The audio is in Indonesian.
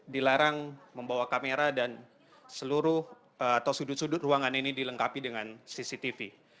dilarang membawa kamera dan seluruh atau sudut sudut ruangan ini dilengkapi dengan cctv